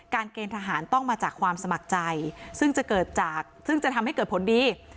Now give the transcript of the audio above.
เกณฑ์ทหารต้องมาจากความสมัครใจซึ่งจะเกิดจากซึ่งจะทำให้เกิดผลดี